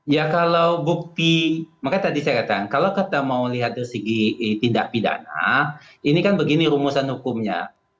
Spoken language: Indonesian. ya kalau bukti maka tadi saya katakan kalau kita mau lihat dari segi tindak pidana ini kan begini rumusan hukumnya